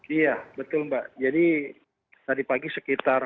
iya betul mbak jadi tadi pagi sekitar sembilan ratus